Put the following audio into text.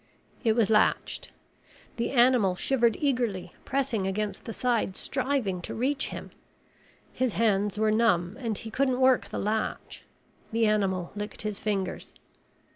It was latched. The animal shivered eagerly, pressing against the side, striving to reach him. His hands were numb and he couldn't work the latch. The animal licked his fingers.